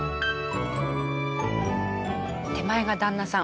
手前が旦那さん。